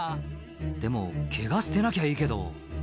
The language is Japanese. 「でもケガしてなきゃいいけど」